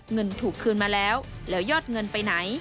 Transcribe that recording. เงินมาแล้วแล้วยอดเงินไปไหน